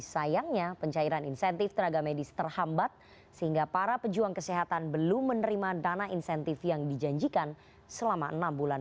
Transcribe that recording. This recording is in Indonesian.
sayangnya pencairan insentif tenaga medis terhambat sehingga para pejuang kesehatan belum menerima dana insentif yang dijanjikan selama enam bulan